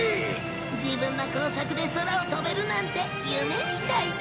自分の工作で空を飛べるなんて夢みたいだ！